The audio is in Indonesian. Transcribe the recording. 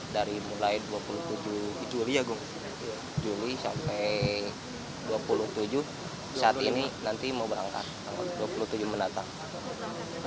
dari juli sampai dua puluh tujuh saat ini nanti mau berangkat dua puluh tujuh menatang